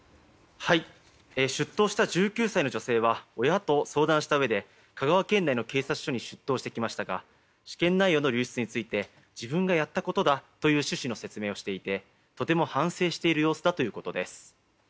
出頭した１９歳の女性は親と相談したうえで香川県内の警察署に出頭してきましたが試験内容の流出について自分がやったことだという趣旨の説明をしていてとても反省している様子だということです。